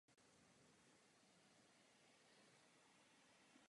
Na pomoc postiženým přijala protektorátní vláda některá opatření.